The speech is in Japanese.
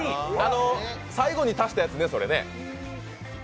最後に足したやつね、それね。